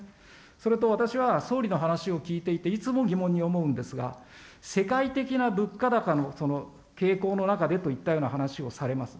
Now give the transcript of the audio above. それと私は総理の話を聞いていて、いつも疑問に思うんですが、世界的な物価高のその傾向の中でといったような話をされます。